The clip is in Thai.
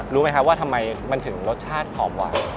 รู้ไหมครับว่าทำไมมันถึงรสชาติหอมหวาน